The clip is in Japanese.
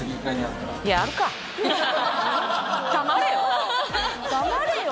「“黙れよ！！”」